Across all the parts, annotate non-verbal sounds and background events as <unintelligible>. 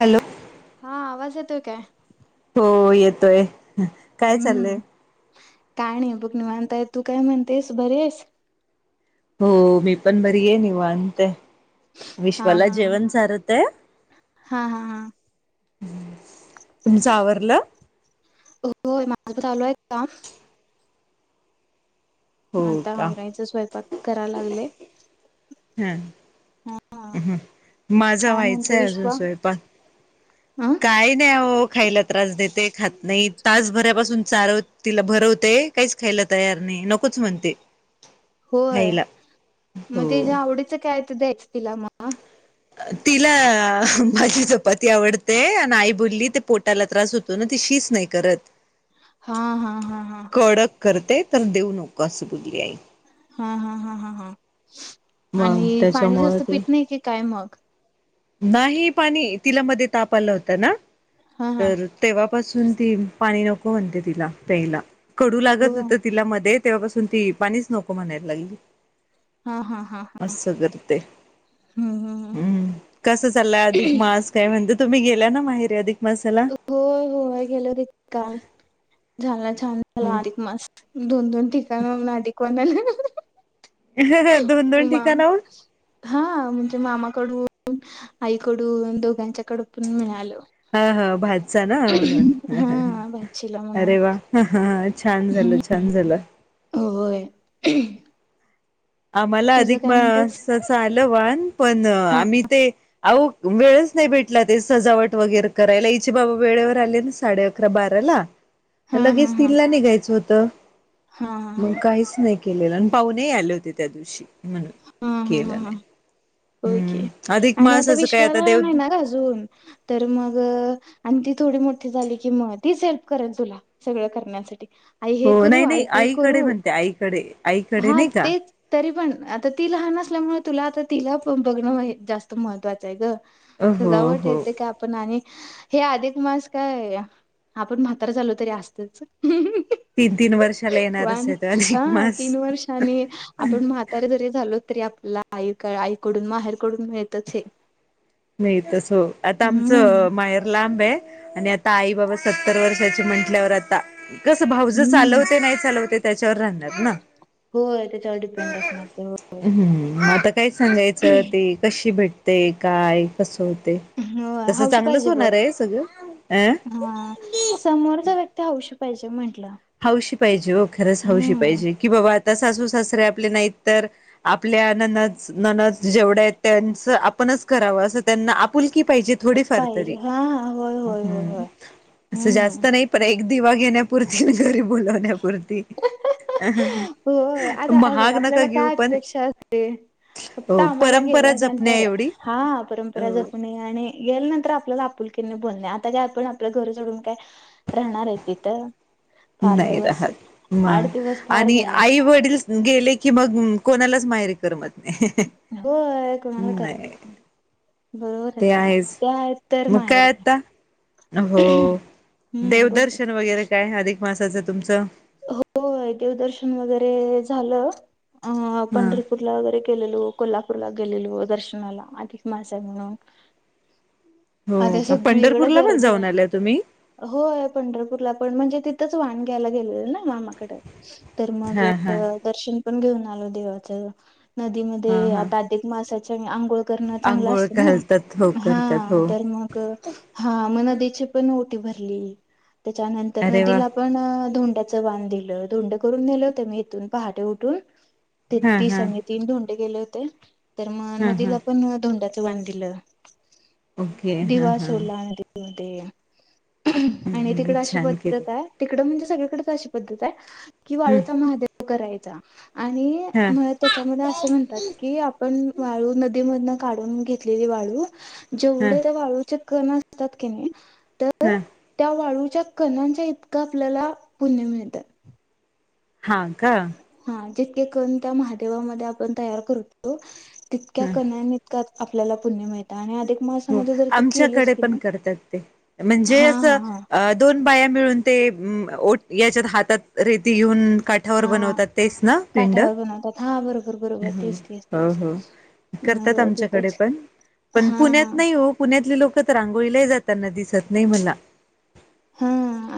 Hello.. हा.. आवाज येतोय काय? हो येतोय. काय चाललंय? हम्म काय नाय निवांतये. तू काय म्हणतेस बरयेस? हो.. मी पण बरी आहे निवांत. हा विश्वाला हा हा जेवण चारत. हा हा हा तुमच आवरलं? होय माझ आल काम. हो आता का आवरायच. स्वयंपाक कराय लागले. हा हा माझा काय म्हणते व्हायचाय अजून विश्वा स्वयंपाक. अ काही नाही हो. खायला त्रास देते खात नाही. तासभरापासून चारव तिला भरवते काहीच खायला तयार नाही. नकोच म्हणते. होय.. खायला म हो तेच्या आवडी काय त च द्यायच तिला मा तिला माझी चपाती आवडते. अन आई बोलली ते पोटाला त्रास होतो ना ती शी च नाही करत. हा.. हा.. हा.. हा. कडक करते तर देऊ नको अस बोलली आई. हा हा हा हा हा मग आणि पाणी त्याच्यामुळे जास्त ते पित नाही की काय मग नाही पाणी तिलामध्ये तापा आला होता ना हा हा तर तेव्हा पासून ती पाणी नको म्हणते तिला प्यायला कडू लागत हो होतं तिला मध्ये तेव्हापासून ती पाणीच नको म्हणायला लागली हा हा हा हा असं करते हम्म कसा चाललाय अधिक मास काय म्हणत तुम्ही गेल्या ना माहेरी अधिक मासाला होय होय गेले होते काल झाला छान छान झाला अधिक मास दोन दोन ठीक दोन दोन <unintelligible> ठिकाणाहून हा म्हणजे मामाकडून आईकडून दोघांच्या कड पण मिळालंं हा <unintelligible> म्हणून अरे वा हा छान झालं छान झालं होय आम्हाला तुझं अधिक काय म्हणतस मास असं आलं वाण पण हा आम्ही ते अहो वेळच नाही भेटला ते सजावट वगैरे करायला इचे बाबा वेळेवर आले ना साडे अकरा बाराला हा हा लगेच हा तिनला निेघायचं होतं हा हा तर मग काहीच नाही केलेला आणि पाहुणेही आले होते. त्या दिवशी म्हणून हा हा ह केलं ह नाही होय की हम्म अधिक आणि आता मासाचं काय विश्वा देव लहान हाय ना गं अजून तर मग आणखी ती थोडी मोठी झाली कि मग तीच हेल्प करेल तुला सगळं करण्यासाठी आई हे हो करू नाही आई नाही ते आईकडे करू म्हणते आईकडे आईकडे हा नाही का तेच तरी पण आता ती लहान असल्यामुळे तुला आता तिला पण बघणं जास्त महत्त्वाचं आहे गं हो सजावट हो येते का आपण आणि हे अधिक मास काय आपण म्हातारं झालो तरी असतच तीन तीन वर्षाला येणारच वान आहे, तो हा अधिक मास तीन वर्षांनी आपण म्हातारे जरी झालो तरी आपल्याला आई आईकडून माहेरकडून मिळतच हे, नाही तस हो आता हम्म आमचं माहेर लांब आहे. आणि आता आई बाबा सत्तर वर्षाचे म्हंटल्यावर आता कसं भाऊजय हम्म चालवते नाही चालवते. त्याच्यावर राहणार ना, होय त्याच्यावर डिपेंड असणार ते होय. हम्म आता काय सांगायचं ते कशी भेट ते काय कसून होय हौशी पाहिजे बघ, सगळं अं हा समोरचा व्यक्ती हौशी <unintelligible> हौशी पाहिजे हो खरंच, हौशी हम्म पाहिजे की बाबा सासू सासरे आपले नाही तर आपल्या नन ननच जेवढं आहेत त्यांच आपणच करावं असं त्यांना आपुलकी पाहिजे. थोडीफार पाहिजे तरी्, हा हा होय होय होय होय असं हम्म. जास्त नाही पण दिवा घेण्या पुूर <unintelligible> बोलावण्यापूर्ती हो आता आहे बघ आपल्याला काय अपेक्षा असते, फक्त आम्हाला परंपरा जपण्या गेल्यानंतर एवढी हा अ परंपरा जपणे आणि गे नंतर आपल्याला आपुलकीनी बोलणे आता काय आपण आपल्या घर सोडून काय राहणार आहे तिथं फार नाही दिवस राहत म, आठ दिवस फार आणि झाले आई वडील गेले की मग, कोणालाच माहेरी करमत नाही हो कोणाला कर नाही ते आहेच मग काय आहे आता, हो हम्म बोल देवदर्शन वगैरे काय अधिक <unintelligible> तुमचं हो देवदर्शन वगैरे झालं. अ हा पंढरपूरला वगैरे केलेलो, कोल्हापूरला गेलेलो दर्शनाला अधिकमास आहे, म्हणून हो आता का सगळीकड पंढरपूरला पण गर्दी जाऊन आहे, आल्या तुम्ही होय पंढरपूरला पण म्हणजे ति च वान घ्यायला गेलं ना मामाकडे तर मग हा हा दर्शन पण घेऊन आलो देवाच नदीमध्ये हा हा आता अधिकमासा च अंग मग आंघोळ घालतात हो करतात हो म पण टी भरली त्याच्यानंतर अरे वा नदीला आपण धं ध दिलं धोंड करून नेलं होतं मी इथून पहाटे उठून ते हा त हा संग तड गेले होते तर मग हा हा नदीला पण धोंडात वां दिलं ओके हा हा दिवास उडला आहे दिवा ते आणि हम्म तिकडं अशी छान केलं पद्धत आहे तिकडं म्हणजे डे अशी पद्धत आहे कि हम्म वाळूता महादे करायचा आणि हा म त्याच्यामध्ये असं म्हणतात की आपण वाळू नदीमधून काढून घेतलेली वाळू हा जेवढ्या त्या वाळूचे कण असतात की नाही तर हा त्या वाळू त्या कणांच्या इतका आपल्याला पुण्य मिळत. हा का ते कण त्या महादेवामध्ये आपण तयार करतो. त्या ह कणांइतका आपल्याला पुण्य मिळत आणि अधिक हो मासामध्ये जर तू केलीस आमच्याकडे की पण नाही करतात ते म्हणजे हा अस हा हा दोन बाया मिळून ते ओ याच्यात हातात रेती घेऊन काठावर हा बनवतात तेच ना पिंड. काठावर बनवतात हा बरों हो हो करतात मग आमच्याकडे तिथंच पण पण हा पुण्यात नाही हो पुण्यातले लोक तर आंघोळीलाही जाताना दिसत नाही मला. हा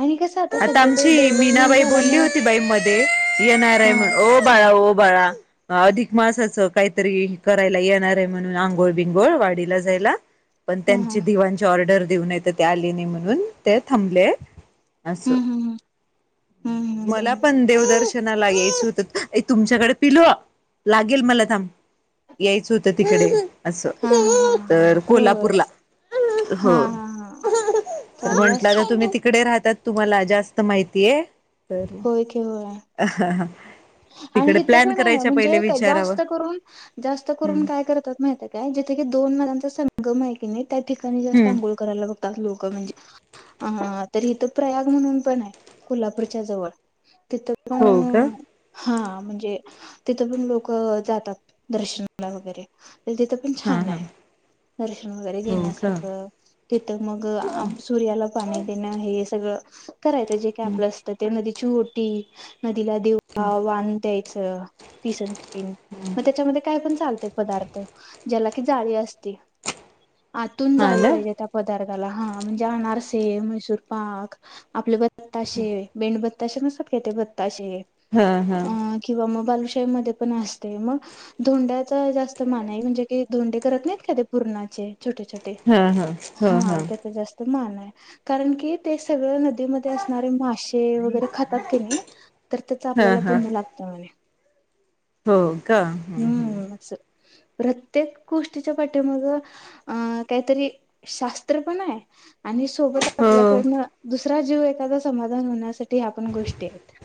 आणि कसं आता सगळीकडे आमची डेव्हलपमेंट मीनाबाई बोलली झाल्यामुळं होती बाई मध्ये येणार आहे हा म्हण ओ बाळा ओ बाळा अधिक मासाचं काहीतरी करायला येणार आहे म्हणून आंघोळ बिंगोळ वाडीला जायला पण हा हा त्यांची दिवांची ऑर्डर देऊन येते ते आले नाही म्हणून ते थांबले असं हम्म हम्म हम्म मला हम्म पण देव दर्शन मला यायचं होत तुमच्याकडे पिलू लागेल मला थांब यायचं होतं तिकडे असं हा हा हा हा तर होय कोल्हापूरला हा हो हा हा चाललं म्हंटलं असतं आता की तुम्ही तिकडे राहतात तुम्हाला जास्त माहितीय. तरी होय की होय तिकडे प्लॅन करायच्या हे बघा विचारावं जास्त करून जास्त करून हम्म काय करतात माहिती आहे का जिथे दोन नद्यांचा संगम गम है की नही त्या ठिकाणी जास्त हम्म आंघोळ करायला बघतात लोक म्हणजे अ तर इथं प्रयाग म्हणून पण आहे कोल्हापूरच्या जवळ तिथं पण हो का हा म्हणजे, तिथं पण लोकं जातात दर्शनाला वगैरे तिथं पण हा छान हा आहे दर्शन वगैरे हो का घेण्यासारखं! तिथं मग सूर्याला पाणी देणं.. हे सगळं <inaudible> करायचं... जे काय आपलं असतं ते नदी चीओटी नदीला द्या आ-वाण द्यायचं. अं-तीस अन <inaudible> मं त्याच्यामध्ये काय पण चालतंय पदार्थ ज्याला कि जाळी असते आतून हा जाळी ना पाहिजे त्या पदार्थाला... हा, म्हणजे अनारसे ते म्हैसूरपाक आपल्यागत बत्ताशे, मेणबत्ती ताशे नसतात का ते, बत्ताशे हा हा अ किंवा मग बालु मध्ये पण असते, मग धोंड्याचा जास्त मान आहे, म्हणजे की धोंडे करत नाहीत का ते पुरणाचे. छोटे-छोटे, हा हा हा हा त्याचं जास्त मान आहे, कारण की, ते सगळं नदीमध्ये असणारे मासे वगैरे खातात कि नाही हा आपल्याला हा पुण्य लागतं म्हणे. हो. का? हुं-हुं हम्म अस प्रत्येक गोष्टीच्या पाठीमगं अ-काहीतरी शास्त्र पण आहे. आणि सोबत आपल्याकडनं दुस जीव एखादा समाधान होण्यासा त्या पण गोष्टी आहेत.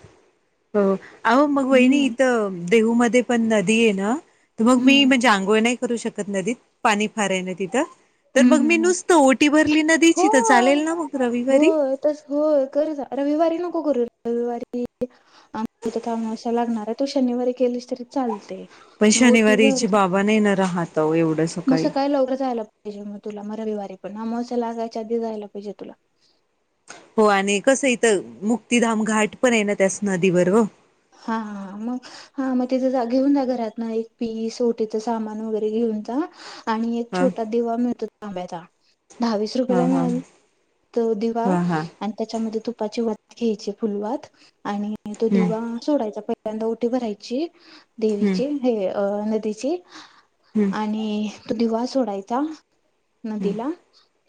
हो. अहो, मग वहिनी हम्म इथं देहूमध्ये पण नदी आहे ना तर मग, मी हम्म म्हणजे आंघोळ नाही करू शकत नदीत, पाणी फार आहे ना तिथं! तर हम्म मग हम्म मी हम्म नुसतं ओटी भरली नदीची तर होय चालेल ना? मग रविवारी होय को करू रविवारी, <inaudible> अमावस्या लागणार आहे. तु शनिवारी केलीस तरी चालतंय. पण शनिवारी हिचे बाबा नाही ना रहात अहो एवढया सकाळी जेव्हा तुला, मं रविवारी, पण अमावस्या लागायच्या आधी जायला पाहिजे तुला. हो आणि कसं इथं मुक्तीधाम घाट पण हाय ना त्या नदीवर हा मग हा मग तिथं घेऊन जा घरात ना एक पीस ओटीच सामान वगैरे घेऊन जा. आणि एक हा छोटा दिवा मिळतो. <unintelligible> दहावीस हा रुपयाला हा मिळेल तो दिवा हा हा आणि त्याच्यामध्ये तू पा्पाची वत घ्यायचे फुलवात आणि नाही तो हम्म दिवा पहिल्यांदा ओठी भरायची. हम्म देवीचे हे अ <unintelligible> हम्म आणि तु दिवा सोडायचा. नदीला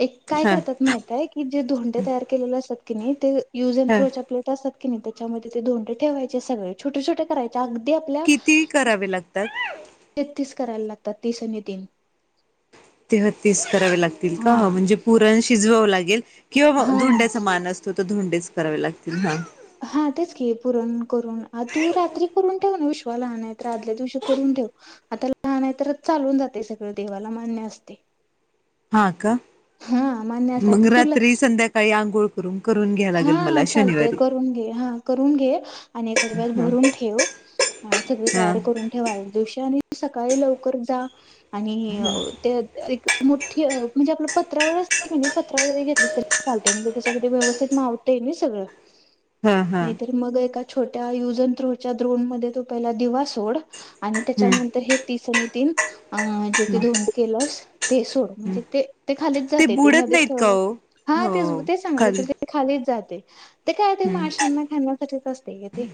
एक काय हा करतात माहितय की जे धोंडे तयार केलेले असतात. <unintelligible> युज अँड हा थ्रो <unintelligible> नाही त्याच्यामध्ये ते दोंड ठेवायचं. सगळे छोटे छोटे करायचं. किती करावे लागतात. तेहतीस करायला लागतात तीस आणि तीन. तेहतीस करावे लागतील का हा म्हणजे पुरण शीजवाव लागेल किंवा हा हा धोंड्याचा मान असतो तो तर धोंडेच करावे लागतील ना हा तेच की पुरण करून तू रात्री करून ठेव ना वा लहान आहे तर आदल्या दिवशी करून ठेव आता लहान आहे तरच चालून जाते सगळ देवाला मान्य असते हा का हा मान्य मग रात्री संध्याकाळी अक गोळ करून करून घ्या लागेल हाा मला चालतय शनिवारी करून घे हा करून घे आणि एक डब्यात भरून ठेव सगळी हा तयारी करून ठेव आदल्या दिवशी आणि सकाळी लवकर जा आणि हे ते मोठी म्हणजे आपलं पत्रावळ असते की नाही पत्रावळ जरी घेतली तरी चालते म्हणजे त्यात व्यवस्थित मावतं नाही सगळं हा हा नाहीतरी मग एका छोट्या यूज आणि थ्रोच्या द्रोन मध्ये तो पहिला दिवा सोड आणि हम्म त्याच्यानंतर हे तीसनी तीन अ जेथ धुंड केलंस ते सोड म्हणजे ते ते खालीच जाते ते बुडत नदीत नाहीत का ठेवलं हो हा तेच हो ते सांगले खाली खालीच जाते ते काय ते हम्म माश्यांना खाण्यासाठीच असते का ते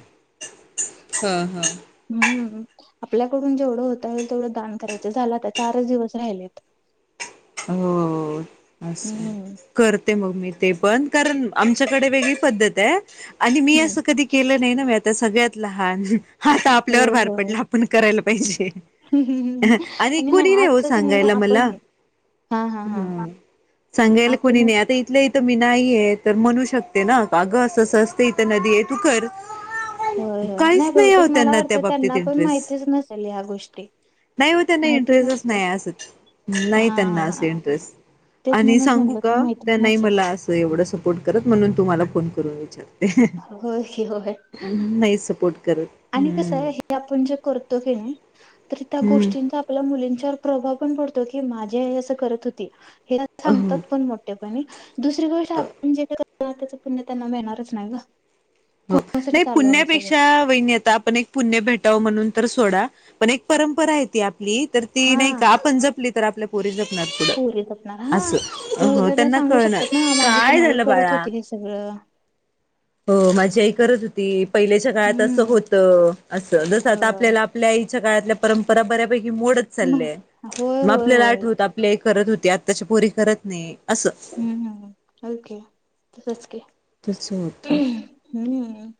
हा हा हम्म आपल्याकडून जेवढं होतंय तेवढं दान करायचं झालं आता चारच दिवस राहिलेत हो असं हम्म कर मग मी ते पण कारण आमच्याकडे वेगळी पद्धत आहे आणि मी हम्म असं कधी केलं नाही ना त्या सगळ्यात लहान हा आता आपल्यावर भार पडला आपण करायला पाहिजे ह आणि नाही आज च की नाही आपण हा सांगायला कोणी आपण नाही आता इथलं थ मी नाहीय तर म्हणू शकते ना कागं असं सहजते इथं नदी आहे तू कर हो हो नाही काहीच हो बहतेक मला त्यांना वाटत त्या बाबतीत त्यांना पण इंटरेस्ट माहितीच नसेल ह्या गोष्टी नाही हो त्यांना माहिती इंटरेस्टच नसे नाही असत नाही ह त्यांना अस इंटरे आणि सांगू म्हटलं तर का माहितीच त्यांना नसेल मला अस एव सपोर्ट कर म्हणून तु कुवी च होय की होय ् नाही सपोर्ट करत आणि कस हम्म आहे हे आपण जे करतो हे ना तर त्या हम्म गोष्टींचा आपल्या मु च्या प्रभाव पण पडतो क माझ अस करत होती हे हो सांगतात पण मोठे आणि दुसरी गोष्ट आपणे त्याच पुण्य त्यांना मिळणारच नाही का हो नाही पुण्यापेक्षा वैन्यता ण एक पुण्य भेटाव म्हणून तर सोडा पण एक परंपरा आहे ती तर ती नाही का आपणजपली तर आपल्या पोरी पुरी जपणार पुढं हा मग असं हो उद्या त्या त्यांना सांगू कळणार शकतात ना माझी पण काय आई झालं करत बाळा होती हे सगळं. हो माझी आई करत होती. पहिच्या काळात अस हम्म होत अस जस आता होय आपल्याला आपल्या आच्या काळात. परंपरा बऱ्यापैकी मो चाल होय म होय आपल्याला होय आठवत आपल्या करत होती आत्ताची पोरी करत नाही. असं हम्म हम् लक सचक तस होत हम्म.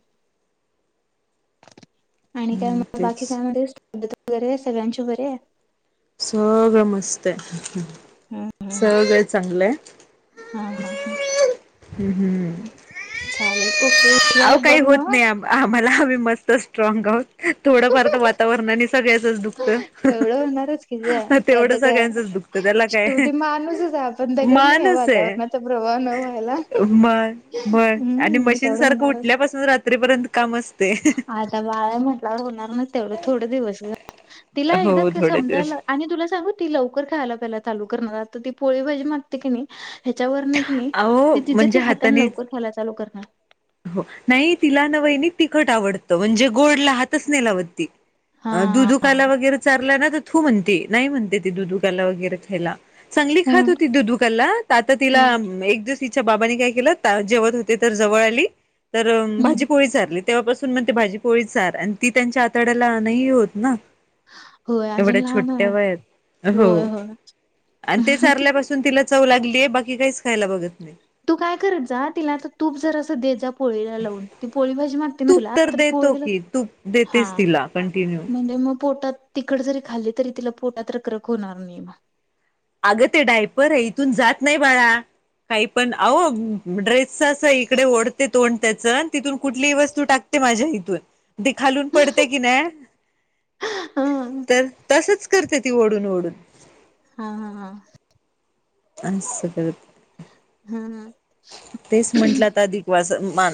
आणि काय तेच बाकी काय म पद्धत वैरे आहे सगळ्यांची उ बरे आहे. सगळं मस्त आहे. हम्म हम्म सगळे चांगलं आहे हा हा हा हम् हम्म चालेल ओके अ विश्वाला बघ काही होत मग नाही आम आम्हाला आम्ही मस्त. त स्ट्रॉगह होत. थोडंफार तर वातावरणाने सगळ्याचच दुखत. तेवढं होणारच ते आता काय काय शेवटी माणूसच आहे आपण त्याकड नाही या माणूस आहे वातावरणाचा प्रभाव न व्हायला मग हम् तेवढं होणारच. तिपर्यंत आता बाळा म्हटल्यावर होणार नाही तेवढं थोड दिवस तिला एकदा हो का थोडे दिवस समजायला. आणि तुला सांगू ती लवकर खायला पहिला तालु कर आता ती पोळी भााजी मगते की नाही. ह्याच्यावर नाही की नाही अहो त ति ती म्हणजे हाताने लवकर ख्यायला चालू करणार. हो नाही तिला नवईनी तिखट आवडतं म्हणजे गोडला हातच नेलावती. अ हा दुधूकाायला वगैरे चाारला ना. तू म्हणते नाही म्हणते तेी दूध उघायला वगैरे खायला. चगली खात हम्म होती दुधुकरला आता तिला हम्म एक तिच्या बाबानी काय केलं जेवत होते तर जवळ आली. तर भाजी हम्म कोळीचारली तेव्हापासून मग ते भाजी पोळीार आणि ती त्यांच्या आतड्यालाही होत ना. होय अजून एवढ्या लहान छोट्या आहे. वयात हो होय होय. आणि ते सारल्यापासून तिला जाऊ लागलीय बाकी काहीच खायला बघत नाही. तू काय करत जा तिला आता तूप जर दे जा पोळीला लावून. पोळी भाजी मागते ना तूप तुला तर देतो पोळीला की तूप हा देतेस तिला कंटिन्यू तिकड जरी खाल्ली तरी तिला पोटात रखक होणार नाही म अगत डायपर आहे इथून जात नाही बाळा काही पण अह ड्रेस इकडे ओढते तोंड त्याच तिथून कुठलीही वस्तू टाकते माझ्या इथून ती खालून पडते की नाही. हा तर तसच. करते ती ओढून ओढून हा हा हा अस हम् हम तेच म्हंटलं तर अधिकवास मला